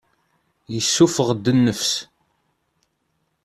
Yessuffeɣ-d nnefs.